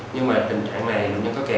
nhưng mà tình trạng này bệnh nhân có kẹo